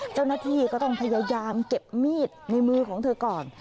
เจ้าหน้าที่ก็ต้องพยายามเก็บมีดในมือของเธอก่อน